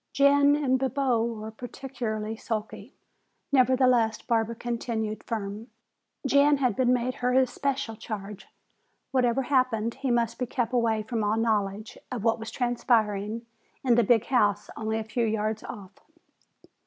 Jan and Bibo were particularly sulky, nevertheless Barbara continued firm. Jan had been made her especial charge. Whatever happened he must be kept away from all knowledge of what was transpiring in the big house only a few yards off.